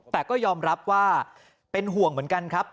แต่ก็ยอมรับว่าเป็นห่วงเหมือนกันครับ